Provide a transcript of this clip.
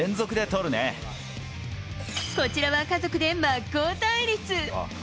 こちらは、家族で真っ向対立。